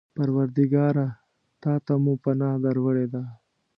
پروردګاره! تا ته مو پناه در وړې ده.